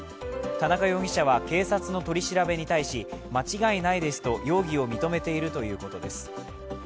田中容疑者は警察の取り調べに対し間違いないですと容疑を認めているということです。